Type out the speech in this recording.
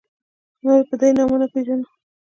نور یې په دې نامه نه پېژنو.